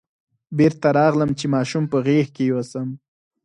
بېرته راغلم چې ماشوم په غېږ کې یوسم.